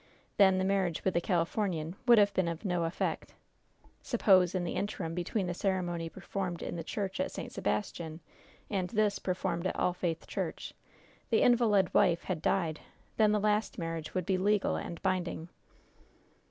Then the marriage with the Californian would have been of no effect. Suppose, in the interim between the ceremony performed in the church at St. Sebastian and this performed at All Faith Church, the invalid wife had died then the last marriage would be legal and binding."